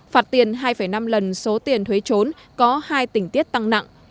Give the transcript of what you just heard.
phạt tiền hai năm lần số tiền thuế trốn có hai tỉnh tiết tăng nặng